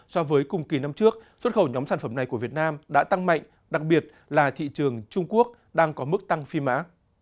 so với cùng kỳ năm trước xuất khẩu nhóm sản phẩm này của việt nam đã tăng mạnh đặc biệt là thị trường trung quốc đang có mức tăng phi mã